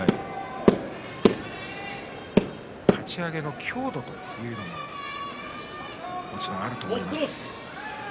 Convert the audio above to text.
かち上げの強度という部分はもちろんあると思います。